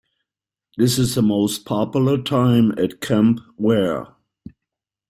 This is the most popular time at Camp Ware.